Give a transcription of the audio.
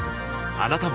あなたも